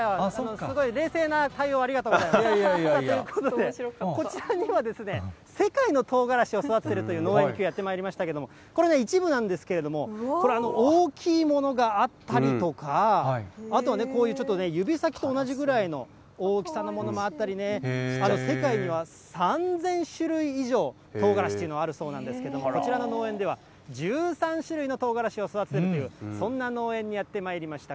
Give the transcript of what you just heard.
すごい冷静な対応、ありがとうございます。ということで、こちらには、世界のとうがらしを育ててるという農園にきょう、やってまいりましたけれども、これね、一部なんですけれども、これ、大きいものがあったりとか、あとはね、こういうちょっと指先と同じぐらいの大きさのものがあったりね、世界には３０００種類以上、とうがらしというのがあるそうなんですけれども、こちらの農園では、１３種類のとうがらしを育てているという、そんな農園にやってまいりました。